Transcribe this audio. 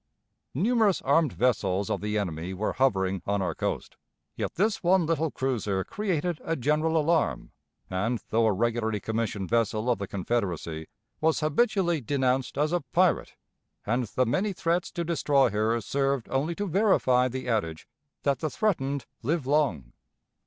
Numerous armed vessels of the enemy were hovering on our coast, yet this one little cruiser created a general alarm, and, though a regularly commissioned vessel of the Confederacy, was habitually denounced as a "pirate," and the many threats to destroy her served only to verify the adage that the threatened live long.